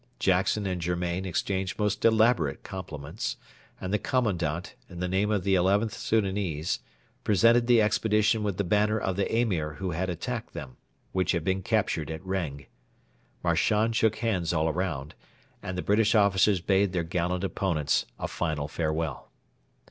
Jackson and Germain exchanged most elaborate compliments, and the commandant, in the name of the XIth Soudanese, presented the expedition with the banner of the Emir who had attacked them, which had been captured at Reng. Marchand shook hands all round, and the British officers bade their gallant opponents a final farewell.